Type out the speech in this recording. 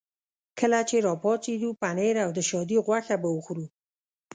کله چې را پاڅېدو پنیر او د شادي غوښه به وخورو.